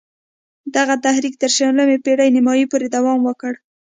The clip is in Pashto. دغه تحریک تر شلمې پېړۍ نیمايی پوري دوام وکړ.